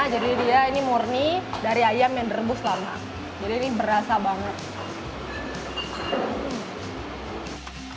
jadi dia ini murni dari ayam yang rebus lama jadi berasa banget